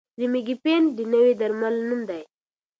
ریمیګیپینټ د نوي درمل نوم دی.